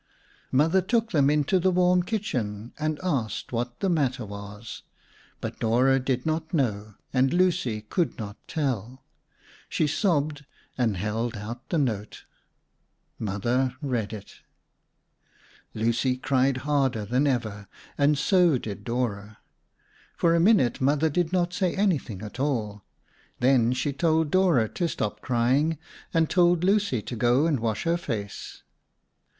Mother took them into the warm kitchen and asked what the matter was, but Dora did not know, and Lucy could not tell. She sobbed and held out the note. Mother read it. Lucy cried harder than ever and so did Dora. For a minute Mother did not say anything at all. Then she told Dora to stop crying and told Lucy to go and wash her face.